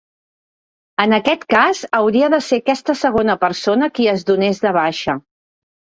En aquest cas hauria de ser aquesta segona persona qui es donés de baixa.